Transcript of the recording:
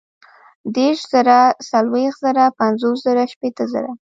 دېرش زره ، څلوېښت زره ، پنځوس زره ، شپېته زره